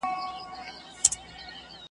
چي د عقل په میدان کي پهلوان وو .